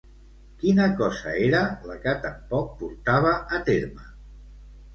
Quina cosa era la que tampoc portava a terme?